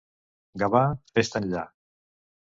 Gavà, fes-te enllà.